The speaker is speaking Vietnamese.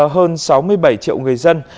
hơn sáu mươi bảy triệu người dân